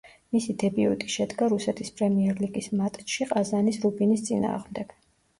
მისი დებიუტი შედგა რუსეთის პრემიერლიგის მატჩში ყაზანის „რუბინის“ წინააღმდეგ.